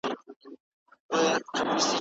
د یونانیانو کلتور له نورو سره فرق درلود.